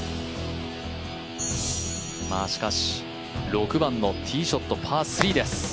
しかし、６番のティーショットパー３です。